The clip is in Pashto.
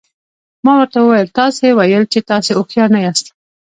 ما ورته وویل تاسي ویل چې تاسي هوښیار نه یاست.